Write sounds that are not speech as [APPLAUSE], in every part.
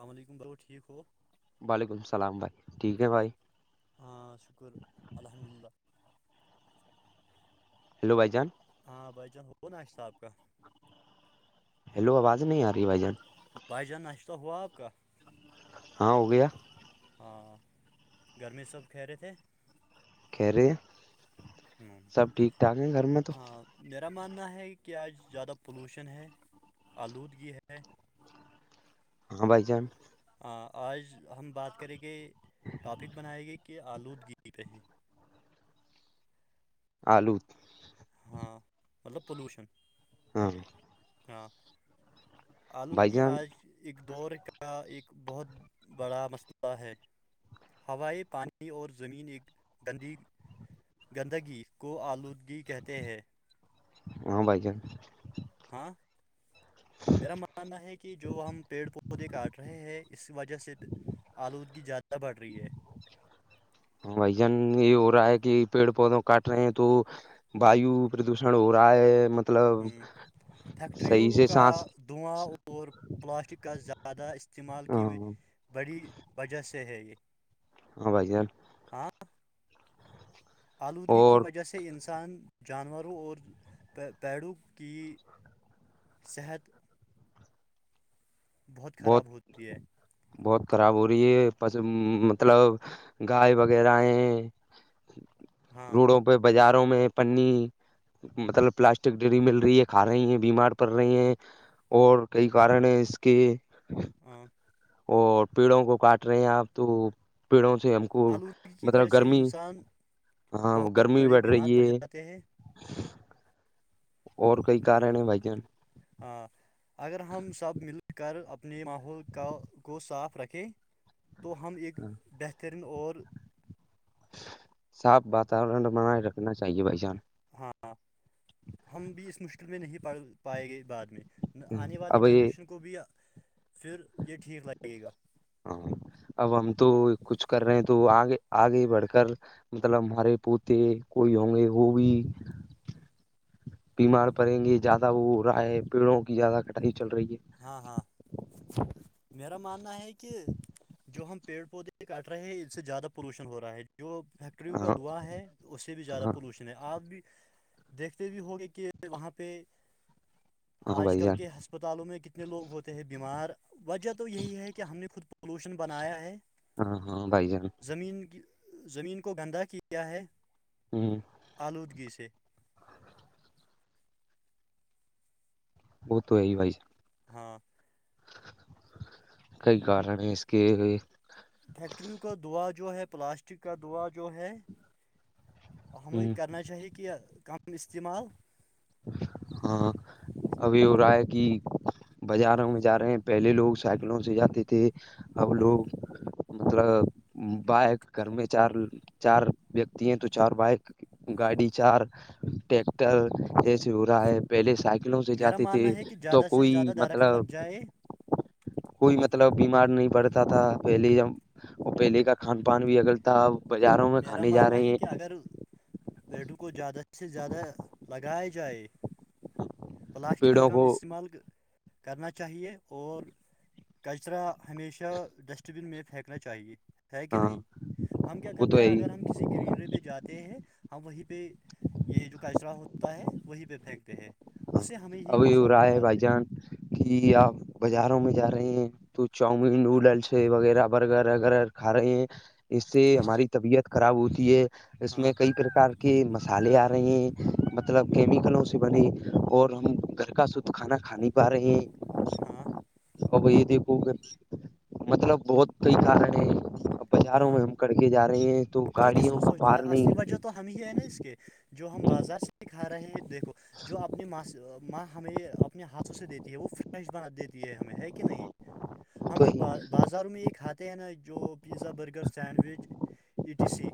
الل علیکم بل ٹھیک ہو وعلیکم السلام بھائی ٹھیک ہے بھائی ہاں شکر الحمد للہ ہیلو بھائی جان ہاں بھ جان ہو نا آشتاب کا ہیلو آواز نہیں آ رہی بھائی جان بجا نشتا ہوپقہ ہاں ہو گیا ہاں گرمی سب کھہ رہے تھے کیر ہوں گھر میں تو میرا ماننا ہے کہ آج زیادہ پولوشن ہے آلودگی ہے ہاں بھائی جان آج ہم بات کریں گے ٹاپک بنائے گے کہ آلودگی پہ ہی آلود ہاں مطلب پلوشن ہوں ہاں بھائی آلودگی جان آج ایک دور کا ایک بہت بڑا مسئلہ ہے ہوائے پانی اور زمین ایک گندی گندگی کو آلودگی کہتے ہیں وہاں بائیکن ہاں میرا ماننا ہے کہ جو ہم پیڑ پودے کاٹ رہے ہیں اس وجہ سے آلودگی زیادہ بڑھ رہی ہے وی جن یہ ہو رہا ہے کہ پیڑ پودوں کاٹ رہے ہیں تو واو پردوشن ہو ر ہے م ہ فیکٹریوں کا سانس دواں اور پلاسٹک کا زیادہ استعمال کی ہاں بڑی وجہ سے ہے یہ ہاں بھائی جان ہاں آلودگی کی اور وجہ سے انسان جانوروں اور پیڑوں کی صحت بہت خراب ہوتی ہے بہت خراب ہو رہی ہے پ مطلب گائے وغیرہ ہے ہاں روڈوں پہ بازاروں میں پنی مطلب پلاسٹک ڈری مل رہی ہے کھا رہی ہیں بیمار پڑ رہے ہیں اور کئی کارن ہیں اس کے ہا اور پیڑوں کو کاٹ رہے ہیں آپ تو پیڑوں سے کو آلودگی کی وجہ مطلب سے گرمی انسان ہاں بہت گرمی بڑے بیٹھ بیمار رہی پڑ ہے [INAUDIBLE] جاتے ہیں اور کئی کار رہے ہیں بھائی جان ہاں اگر ہم سب مل کر اپنے ماحول کا کو صاف رکھیں تو ہم ایک بہترین اور صاف واتورن بنائے رکھنا چاہیے بھ جان ہاں ہم بھی اس مشکل میں نہیں پ پائے گئے بعد میں آنے والی اب یہ جنریشن کو بھی پھر یہ ٹھیک لگے گا ہاں اب ہم تو کچھ کر رہے ہیں تو آگے آگے ہی بڑھ کر مطلب ہمارے پوتے کوئی ہوں گے وہ بھی [INAUDIBLE] بیمار پڑیں گے زیادہ وہ ہو رہا ہے پیڑوں کی زیادہ کٹائی چل رہی ہے ہاں ہاں میرا ماننا ہے کہ جو ہم پیڑ پودے کاٹ رہے ہیں اس سے زیادہ پولوشن ہو رہا ہے جو ہے فیکٹریوں کا ہاں دعا ہے اس سے بھی زیادہ ہاں پولوشن ہے آپ بھی دیکھتے بھی ہ گے کہ وہاں پہ ہاں آج بھائی کل جان کے ہسپتالوں میں کتنے لوگ ہوتے ہیں بیمار وجہ تو یہی ہے کہ ہم نے خود پولوشن بنایا ہے ہاں ہاں بھائی جان زمین زمین کو گندہ کیا ہے ہوں آلودگی سے وہ تو یہ وائی ہاں کئی کارن اس کے ہو فیکٹریوں کا دعا جو ہے پلاسٹک کا دعا جو ہے اہم ہ کرنا چاہے کہ کم استعمال ہاں ابھی ہو رہا ہے کہ بازاروں میں جا رہے ہیں پہلے لوگ سائیکلوں سے جاتے تھے اب ہاں لوگ مطلب بائک گھر میں چار چار ویکتی ہیں تو چار بائک گاڑی چار ٹیکٹر ایس ہو رہا ہے پہلے سائیکل قلوں سے میرا جاتے تھے ماننا ہے کہ تو زیادہ سے کوئی زیادہ درخت مطلب لگ جائے کوئی مطلب بیمار نہیں پڑتا تھا پہلے جب پہلے کا کھان پان بھی اگل تھا اب بازاروں میں کھانے جا رہے ہیں اگر پیٹوں کو زیادہ سے زیادہ لگایا جائے پلاسٹک کا پیڑوں کم کو استعمال کرنا چاہیے اور کچرا ہمیشہ ڈسٹ بن میں پھینکنا چاہیے پھینکے ہاں نہیںی ہم کیا وہ کرتے تو ہے ہیں ہی اگر کسی گرینری پہ جاتے ہیں ہم وہیں پہ یہ جو کچرا ہوتا ہے وہی پہ پھینکتے ہیں اسے ہمیں ہی ابھی ہو نقصان رہا ہے بعد بھائی میں جان کہ آپ بازاروں میں جا رہے ہیں تو چاؤمین نڈلس وغیرہ برگر ویرہ کھ رہے ہیں اس سے ہاں ہماری طبیعت خراب ہوتی ہے اس میں ہاں کئی پرکار کہ مسالے آ رہے ہیں مطلب کیمیکلوں سے بنے اور ہم گھر کا شدھ کھانا کھا نہیں پا رہے ہیں ہاں اب یہ دیکھو گا مطلب بہت کئی کارن ہے بازاروں ہاں میں کر کے جا رہے ہیں تو یہ کس گاڑیوں کو سوچتا پار ہے اصلی نہیں وجہ تو ہم ہی ہے نا اس کے جو ہم بازار سے ہی کھا رہے ہیں دیکھو جو اپنی ماس ماں ہمیں اپنے ہاتھوں سے دیتی ہے وہ فریش بنا دیتی ہے ہمیں ہے کہ نہیں ہم تو جو ہی ب بازاروں میں یہ کھاتے ہیں نا جو pizza burger sandwich E T C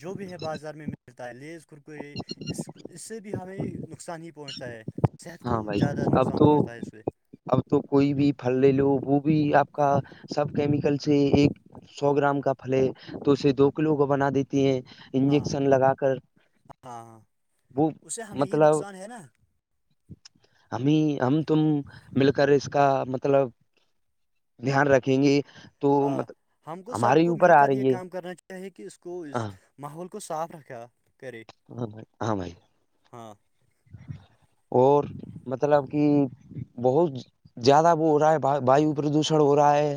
جو بھی ہے بازار میں ملتا ہے لیز کرکریے اس اس سے ہمیں نقصان ہی پہنچتا ہے صحت کو ہاں بھائی زیادہ اب نقصان تو پہنچتا ہے اس سے اب تو کوئی بھی پھل لے لو وہ بھی آپ کا سب کیمیکل سے ایک سو گرام کا پھلے تو اسے دو کلو کو بنا دیتی ہیں ہاں انجیکشن لگا کر ہاں ہاں وہ اس سے ہمیں ہی مطلب نقصان ہے نا ہمیں ہم تم مل کر اس کا مطلب دھیان رکھیں گے تو ہاں مطلب ہم کو سب ہمارے کو اوپر مل آ کر یہ رہی ہے کام کرنا ہے کہ اس کو اس ہاں ماحول کو صاف رکھا کرے ہاں بھائی ہاں بھائی ہاں [INAUDIBLE] اور مطلب کہ بہت زیادہ وہ ہو رہا ہے وایو پردوشن ہو رہا ہے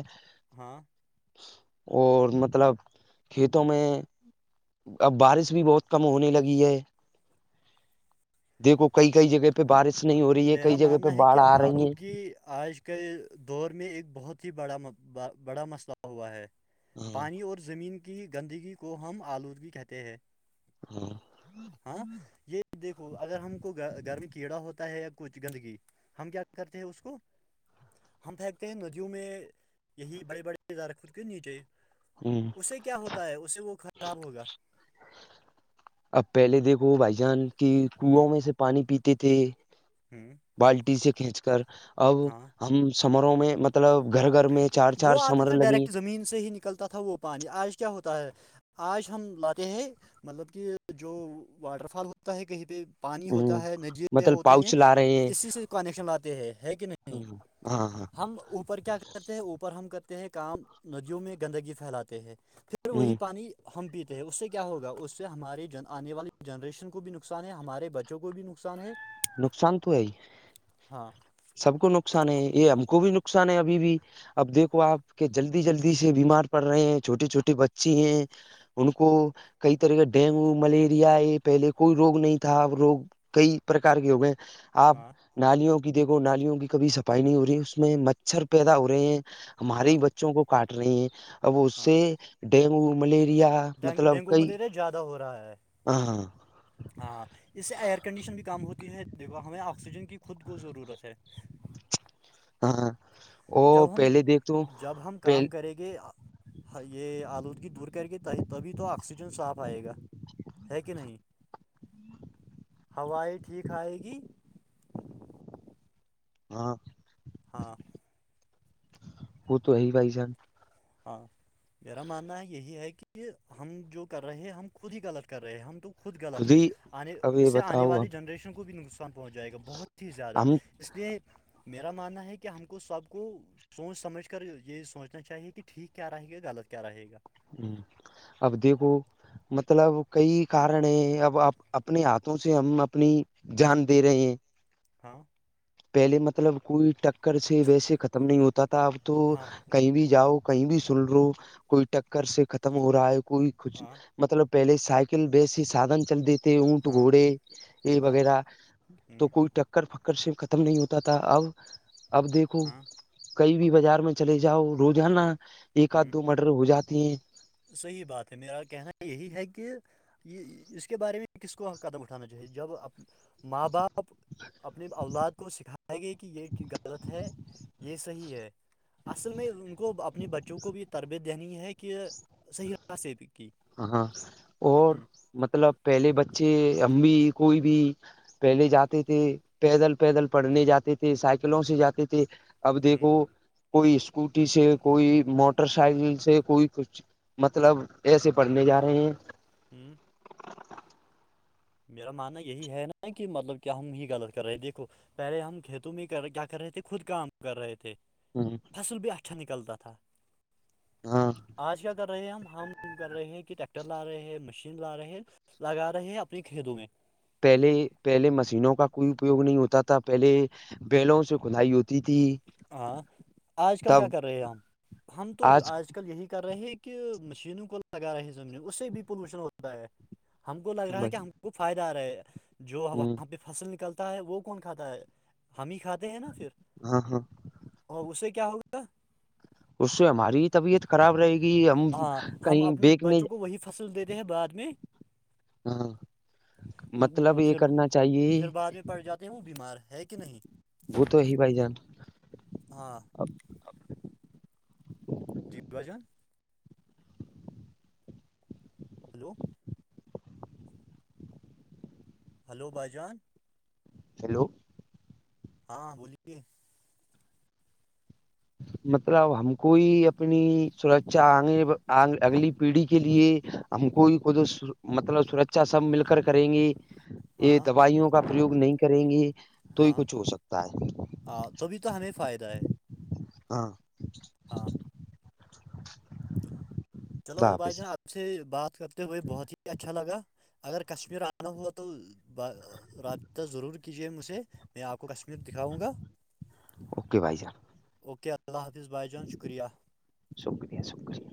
ہاں اور مطلب کھیتوں میں اب بارش بھی بہت کم ہونے لگی ہے دیکھو کئی کئی جگہ پہ بارش نہیں ہو رہی ہے کئی میرا جگہ پہ ماننا ہے باڑھ کہ آ رہی ہیں آلودگی آج کے دور میں ایک بہت ہی بڑا بڑا مسئلہ ہوا ہے ہاں پانی اور زمین کی گندگی کو ہم آلودگی کہتے ہیں ہمم ہاں یہ دیکھو اگر ہم کو گھرمے کیڑا ہوتا ہے یا کچھ گندگی ہم کیا کرتے ہیں اس کو ہم پھینکتے ہیں ندیوں میں یہی بڑے بڑےدارخود کے نیچے ہمم اسے کیا ہوتا ہے اسے وہ خراب ہوگا اب پہلے دیکھو بھائی جان کہ کنو میں سے پانی پیتے تھے ہممم بالٹی سے کھینچ کر اب ہم سمروں میں مطلب گھر گھر میں چار چار وہ آتے سمر تھے لگی ڈائریکٹ زمین سے ہی نکلتا تھا وہ پانی آج کیا ہوتا ہے آج ہم لاتے ہیں مطلب کہ جو واٹر فال ہوتا ہے کہیں پہ پانی ہ ہوتا ہے نجیے مطلب ہوتے ہیں پاؤچ لا رہے ہیں اسی سے کانیکشن لاتے ہیں ہے کہ نہیں ہاں ہاں ہم اوپر کیا کرتے ہیں اوپر ہم کرتے ہیں کام ندیوں میں گندگی پھیلاتے ہیں پھر ہ وہی پانی ہم پیتے ہیں اس سے کیا ہوگا اس سے ہمارے آنے والی جنریشن کو بھی نقصان ہے ہمارے بچے بچوں کو بھی نقصان ہے نقصان تو ہے ہی ہاں سب کو نقصان ہے یہ ہم کو بھی نقصان ہے ابھی بھی اب دیکھو آپ کے جلدی جلدی سے بیمار پڑ رہے ہیں چھوٹے چھوٹے بچے ہیں ان کو کئی طرح کا ڈینگو ملیریا یہ پہلے کوئی روگ نہیں تھا اب روگ کئی پرکار کی ہو گئے آپ ہاں نالیوں کی دیکھو نالیوں کی کبھی صفائی نہیں ہو رہی ہے اس میں مچھر پیدا ہو رہے ہیں ہاں ہمارے بچوں کو کاٹ رہی ہیں اب اس سے ہاں ڈینگو ملیریا ڈینگ مطلب ڈینگو کوئی ملیریا زیادہ ہو رہا ہے ہاں اس سے ایئر کنڈیشن بھی کام ہوتی ہے دیکھو ہمیں آکسیجن کی خود کو ضرورت ہے ہاں وہ پہلے دیکھ تو پہل کہ یہ آلودگی دور کر کے تبھی تو آکسیجن صاف آئے گا ہے کہ نہیں ہوائ ٹھیک آئے گی ہاں ہاں وہ تو یہ پائی جان ہاں میرا ماننا یہی ہے کہ ہم جو کر رہے ہیں ہم خود ہی غلط کر رہے ہیں ہم تو خود غلط ہے آنے اب اس یہ سے آنے بتاؤ والی اب جنریشن کو بھی نقصان پہنچ جائے گا بہت ہی زیادہ ہم اس لیے میرا ماننا ہے کہ ہم کو سب کو سوچ سمجھ کر یہی سوچنا چاہیے کہ کہ ٹھیک کیا رہے گ غلط کیا رہے گا ہ اب دیکھو مطلب کئی کارن ہیں اب اپنے ہاتھوں سے ہم اپنی جان دے رہے ہیں ہاں پہلے مطلب کوئی ٹکر سے ویسے ختم نہیں ہوتا تھا اب تو ہاں کہیں بھی جاؤ کہیں بھی سن رہو کوئی ٹکر سے ختم ہو رہا ہے کوئی کچھ ہاں مطلب پہلے سائیکل بیس ہی سادھن چل دی اونٹ ہاں گھوڑے یہ ہاں وغیرہ تو ہوں کوئی ٹکر فکر سے ختم نہیں ہوتا تھا اب اب دیکھو ہاں کئی بھی بازار میں چلے جاؤ روزانا ایک آدھ ہوں دو مٹر ہو جاتی ہیں صحیح بات ہے میرا کہنا یہی ہے کہ یہ اس کے بارے میں کس کو قدم اٹھانا چاہیے جب ماں باپ اپنے اولاد کو سکھائائے گے کہ یہ غلط ہے یہ صحیح ہے اصل میں ان کو اپنے بچوں کو بھی تربیت دینی ہے کہ سح ہو کہ ہاں ہاں اور مطلب پہلے بچے امی کوئی بھی پہلی جاتی تھی پیدل پیدل پڑھنے جاتی تھی سائیکلوں سے جاتی تھی اب ہوں دیکھو کوئی اسکوٹی سے کوئی موٹر سائیکل سے کوئی کچھ مطلب ایسے پڑھنے جا رہے ہیں [INAUDIBLE] میرا ماننا یہی ہے نا کہ مطلب کہ ہم ہی غلط کر رہے ہیں دیکھو پہلے ہم کھیتوں میں ہی کر کیا کر رہے تھے خود کام کر رہے تھے [INAUDIBLE] فصل بھی اچھا نکلتا تھا ہاں آج کیا کر رہے ہیں ہم ہم کر رہے ہیں کہ ٹریکٹر لا رہے ہیں مشین لا رہے ہے لگا رہے ہیں اب میں کے دوں گے پہلے پہلے مشینوں کا کوئی اپیوگ نہیں ہوتا تھا پہلے بیلوں سے کھدائی ہوتی تھی ہاں آج کل تب کیا کر رہے ہیں ہم ہم تو آج کل ل یہی کر رہے ہیں کہ مشینوں کو لگا رہے زمین اس سے بھی پولوشن ہوتا ہے ہم کو لگ رہا ہے بھائی کہ ہم کو فائدہ آ رہا ہے جو ہ وہاں پہ فصل نکلتا ہے وہ کون کھاتا ہے ہم ہی کھاتے ہیں نا پھر ہاں ہاں اور اس سے کیا ہوگا اس سے ہماری طبیعت خراب رہے گی ہم ہاں ہم کہیں اپنے بییکنے بچوں کو وہی فصل دیتے ہیں بعد میں ہاں مطلب وہ یہ پھر کرنا چاہیے پھر بعد میں پڑ جاتے ہیں وہ بیمار ہے کہ نہیں وہ تو ہیی بھائی جان ہاں اب جی بھا جان ہلو ہلو بھائی جان ہیلو ہاں بولیے مطلب ہم کوئی اپنی سرچا آ اگلی پیڑھی کے لیے ہم کو خود مطلب سرکچا سب مل کر کریں گی یہ ہاں دوائیوں کا پرریوگ نہیں کریں گے تو ہی کچھ ہو سکتا ہے تا بھی تو ہمیں فائدہ ہے ہاں ہاں چلو خدا بھائی حافظ جان آپ سے بات کرتے ہوئے بہت ہی اچھا لگا اگر کشمیر آنا ہوا رابطہ ضرور کیجیے مجھے میں آپ کو کشمیر دکھاؤں گا اوکے بھائی جان اوکے اللہ حافظ بائی جان شکریہ شکریہ شکریہ